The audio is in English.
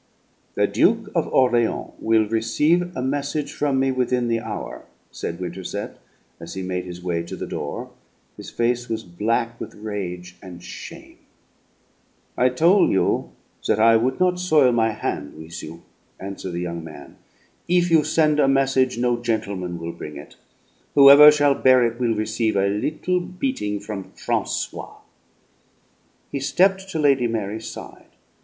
"The Duke of Orleans will receive a message from me within the hour!" said Winterset, as he made his way to the door. His face was black with rage and shame. "I tol' you that I would not soil my hand with you," answered the young man. "If you send a message no gentleman will bring it. Whoever shall bear it will receive a little beating from Francois." He stepped to Lady Mary's side.